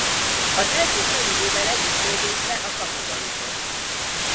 Az első félidőben egyik lövése a kapuba jutott.